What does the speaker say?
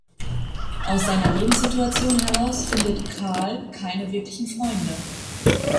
Aus seiner Lebenssituation heraus findet Cal keine wirklichen Freunde.